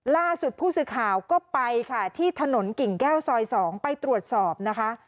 ล่าสุดผู้สื่อข่าวก็ไปค่ะที่ถนนกิ่งแก้วซอย๒ไปตรวจสอบนะคะ